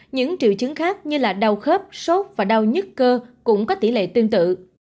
những triệu chứng khác như là đau khớp sốt và đau nhứt cơ cũng có tỷ lệ tương tự